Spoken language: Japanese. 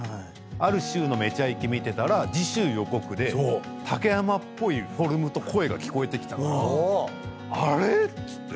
ある週の『めちゃイケ』見てたら次週予告で竹山っぽいフォルムと声が聞こえてきたからあれっ⁉っつって。